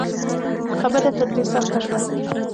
خبره تر دې سخته شوه